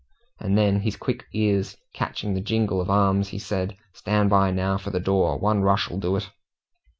And then, his quick ears catching the jingle of arms, he said, "Stand by now for the door one rush'll do it."